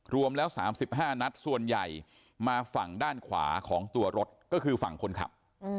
รวมแล้ว๓๕นัดส่วนใหญ่มาฝั่งด้านขวาของตัวรถก็คือฝั่งคนขับ